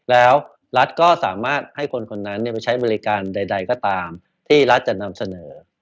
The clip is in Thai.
แล้วรัฐก็สามารถให้คนคนนั้นไปใช้บริการใดก็ตามที่รัฐจะนำเสนอ